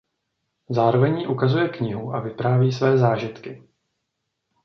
Zároveň jí ukazuje knihu a vypráví své zážitky.